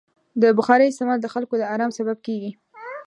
د بخارۍ استعمال د خلکو د ارام سبب کېږي.